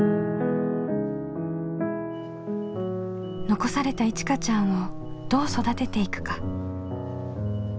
残されたいちかちゃんをどう育てていくか。